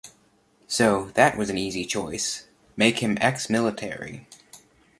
So that was an easy choice: Make him ex-military.